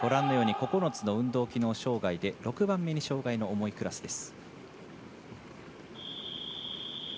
９つの運動機能障がいで６番目に障がいの重いクラスです。